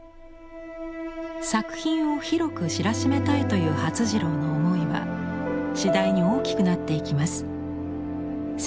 作品を広く知らしめたいという發次郎の思いは次第に大きくなっていきます。